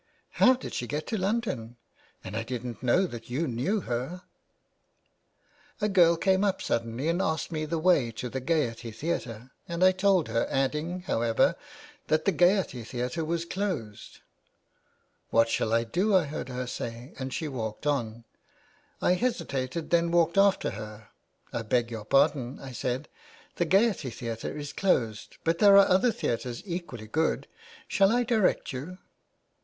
How did she get to London ? and I didn't know that you knew her." 399 THE WAY BACK. " A girl came up suddenly and asked me the way to the Gaiety Theatre, and I told her, adding, however, that the Gaiety Theatre was closed. * What shall I do ?' I heard her say, and she walked on ; I hesitated and then walked after her. ' I beg your pardon,' I said, ' the Gaiety Theatre is closed, but there are other theatres equally good. Shall I direct you ?